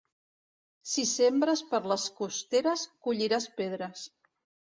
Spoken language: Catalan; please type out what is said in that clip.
Si sembres per les costeres, colliràs pedres.